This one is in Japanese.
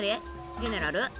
ジェネラル？